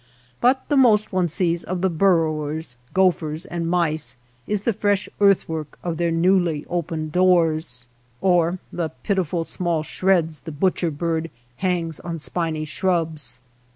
But the most one sees of the borrowers, gophers, and mice is the fresh earthwork of their newly opened doors, or 138 MY NEIGHBORS FIELD the pitiful small shreds the butcher bird hangs on spiny shrubs.